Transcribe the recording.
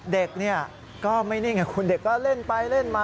เด็กเนี่ยก็ไม่นิ่งไงคุณเด็กก็เล่นไปเล่นมา